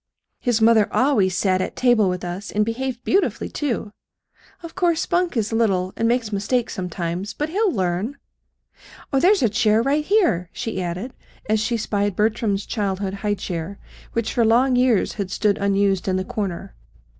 "His mother always sat at table with us, and behaved beautifully, too. Of course Spunk is little, and makes mistakes sometimes. But he'll learn. Oh, there's a chair right here," she added, as she spied Bertram's childhood's high chair, which for long years had stood unused in the corner.